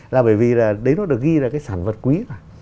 là bởi vì là đấy nó được ghi là cái sản vật quý